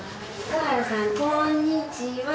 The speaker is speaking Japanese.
こんにちは。